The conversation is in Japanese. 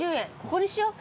ここにしよう。